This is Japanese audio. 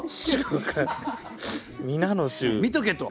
見とけと。